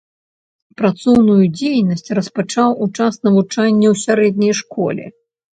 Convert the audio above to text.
Працоўную дзейнасць распачаў у час навучання ў сярэдняй школе.